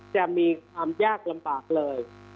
จะมีความยากลำบากเลย